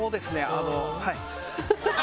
あのはい。